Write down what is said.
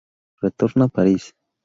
Retorna a París.